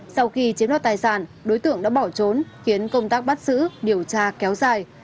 sau khi chiếm đoạt tài sản đối tượng đã bỏ trốn khiến công tác bắt giữ điều tra kéo dài